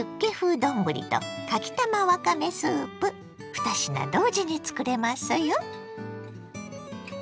２品同時につくれますよ。